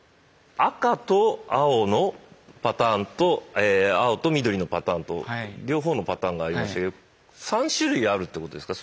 赤と青のパターンとえ青と緑のパターンと両方のパターンがありましたけど３種類あるってことですか